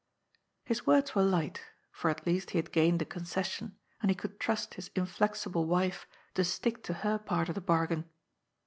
His words were light, for at least he had gained a concession, and he could trust his inflexible wife to stick to her part of the bargain.